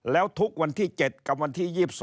แล้วทุกวันที่๗กับวันที่๒๒